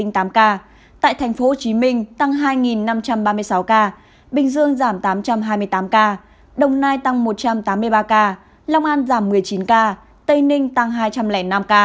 tại thành phố hồ chí minh tăng hai năm trăm ba mươi sáu ca bình dương giảm tám trăm hai mươi tám ca đồng nai tăng một trăm tám mươi ba ca long an giảm một mươi chín ca tây ninh tăng hai trăm linh năm ca